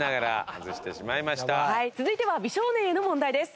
はい続いては美少年への問題です。